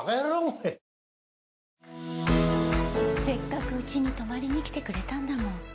せっかくうちに泊まりにきてくれたんだもん。